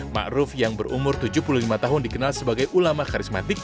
ma'ruf yang berumur tujuh puluh lima tahun dikenal sebagai ulama karismatik